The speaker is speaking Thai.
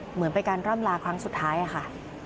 เหมือนเป็นการร่ำลาครั้งสุดท้ายค่ะ